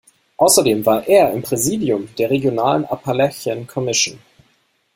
Außerdem war er im Präsidium der regionalen "Appalachian Commission".